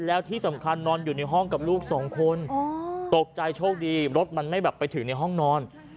แล้วที่สำคัญนอนอยู่ในห้องกับลูกสองคนตกใจโชคดีรถมันไม่แบบไปถึงในห้องนอน